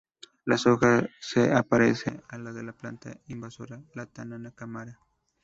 Las hojas se parecen a las de la planta invasora "Lantana camara".